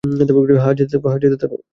হ্যাঁ, যেতে থাকো।